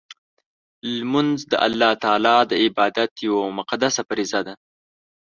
لمونځ د الله تعالی د عبادت یوه مقدسه فریضه ده.